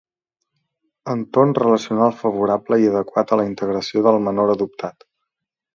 Entorn relacional favorable i adequat a la integració del menor adoptat.